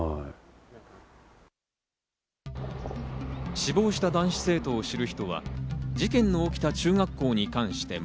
死亡した男子生徒を知る人は事件の起きた中学校に関しても。